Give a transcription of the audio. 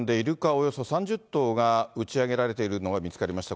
およそ３０頭が打ち上げられているのが見つかりました。